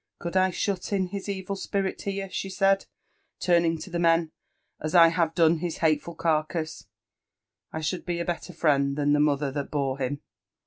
— Gould I shut in his evil spirit here," she said, turning to the men, ''as I have done his hateful carcass, I should be a better friend than the mother that bore him.